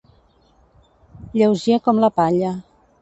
Lleuger com la palla.